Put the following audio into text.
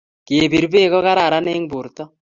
Ke bir beek ko karan eng borto